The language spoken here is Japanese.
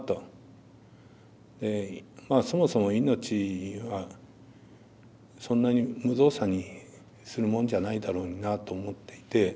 そもそも命はそんなに無造作にするもんじゃないだろうになと思っていて。